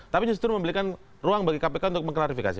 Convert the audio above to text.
tapi justru memberikan ruang bagi kpk untuk mengklarifikasi